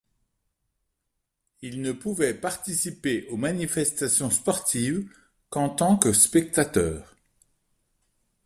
Il ne pouvait participer aux manifestations sportives qu’en tant que spectateur.